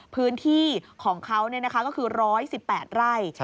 พื้นที่ของเขาก็คือ๑๑๘ไร่